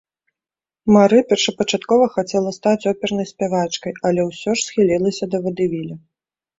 Мары першапачаткова хацела стаць опернай спявачкай, але ўсё ж схілілася да вадэвіля.